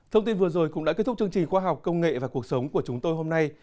thông tin vừa rồi cũng đã kết thúc chương trình khoa học công nghệ và cuộc sống của chúng tôi hôm nay